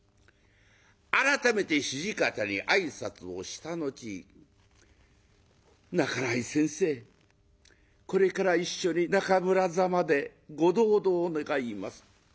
改めて土方に挨拶をした後「半井先生これから一緒に中村座までご同道願います」。